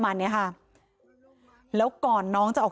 อย่างลึกเหมือนกันนะเนี่ย